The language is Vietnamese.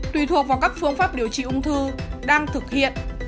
tùy thuộc vào các phương pháp điều trị ung thư đang thực hiện